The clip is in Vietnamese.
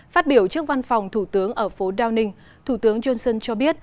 phát biểu trước văn phòng thủ tướng ở phố downing thủ tướng johnson cho biết